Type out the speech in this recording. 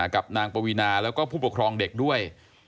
กับนางปวีนาแล้วก็ผู้ปกครองเด็กด้วย